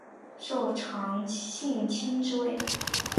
受长信卿之位。